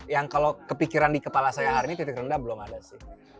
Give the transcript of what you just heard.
yang kalau kepikiran di kepala saya hari ini titik rendah belum ada sih